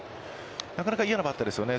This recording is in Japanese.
なかなか嫌なバッターですよね。